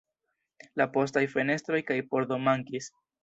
La postaj fenestroj kaj pordo mankis.